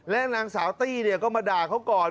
แล้วหนังสาวตี้เนี่ยก็มาด่าก้องก่อน